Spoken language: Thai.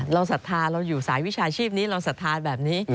ศรัทธาเราอยู่สายวิชาชีพนี้เราศรัทธาแบบนี้